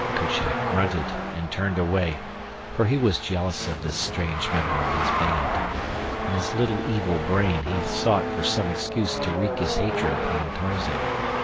Kerchak grunted and turned away, for he was jealous of this strange member of his band. In his little evil brain he sought for some excuse to wreak his hatred upon Tarzan.